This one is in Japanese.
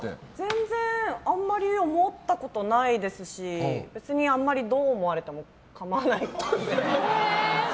全然あんまり思ったことないですし別にあんまりどう思われてもかまわない。